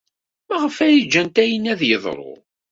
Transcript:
Maɣef ay ǧǧant ayenni ad d-yeḍru?